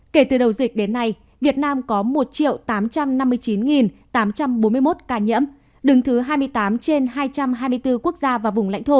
kể từ đầu dịch đến nay việt nam có một tám trăm năm mươi chín tám trăm bốn mươi một ca nhiễm đứng thứ hai mươi tám trên hai trăm hai mươi bốn quốc gia và vùng lãnh thổ